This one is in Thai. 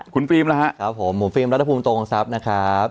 คุณฟิล์มนะฮะครับผมผมฟิล์มรัฐภูมิตรงทรัพย์นะครับ